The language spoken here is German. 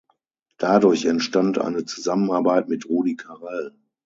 Dadurch entstand eine Zusammenarbeit mit Rudi Carrell.